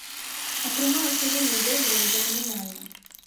Атрымалася вельмі добра і запамінальна.